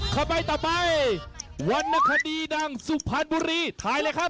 เข้าไปต่อไปวันนราคาดีดังสุภัณฑ์บุรีถ่ายเลยครับ